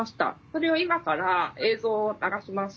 それを今から映像を流します。